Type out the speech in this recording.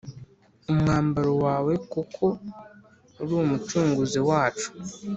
Umwambaro wawe kuko uri umucunguzi wacu